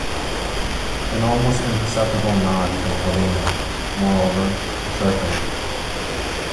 An almost imperceptible nod from Helene, moreover, assured her.